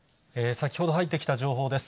先ほど入ってきた情報です。